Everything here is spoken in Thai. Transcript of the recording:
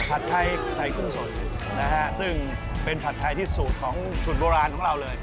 ไทยใส่กุ้งสดนะฮะซึ่งเป็นผัดไทยที่สูตรของสูตรโบราณของเราเลย